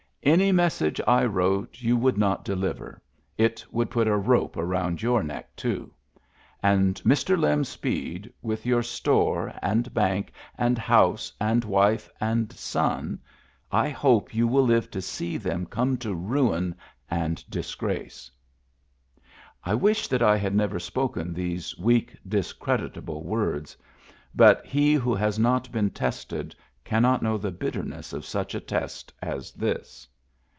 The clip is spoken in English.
" Any message I wrote you would not deliver; it would put a rope round your neck, too. And, Mr. Lem Speed, with your store, and bank, and house, and wife, and son, I hope you will live to see them come to ruin and disgrace." I wish that I had never spoken these weak, discreditable words; but he who has not been tested cannot know the bitterness of such a test as this.